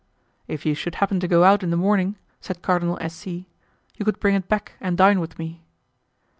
"If you should happen to go out in the morning," said Cardinal S. C., "you could bring it back, and dine with me."